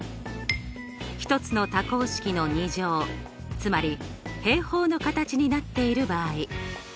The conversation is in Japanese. １つの多項式の２乗つまり平方の形になっている場合。